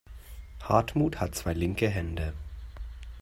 Hartmut hat zwei linke Hände.